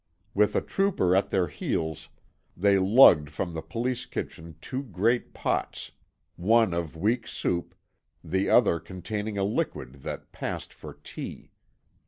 With a trooper at their heels they lugged from the Police kitchen two great pots, one of weak soup, the other containing a liquid that passed for tea.